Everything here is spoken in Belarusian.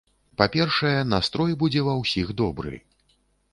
Па-першае, настрой будзе ва ўсіх добры.